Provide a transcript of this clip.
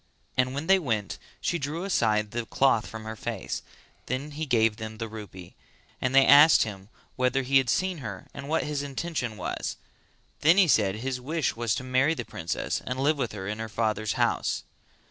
And when they went, she drew aside the cloth from her face; then he gave them the rupee, and they asked him whether he had seen her and what his intention was; then he said that his wish was to marry the princess and live with her in her father's house!